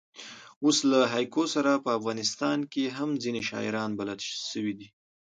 اوس له هایکو سره په افغانستان کښي هم ځیني شاعران بلد سوي دي.